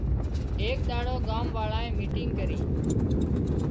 ايڪ ۮاڙو ڳام وازنئي ميٽنگ ڪرِي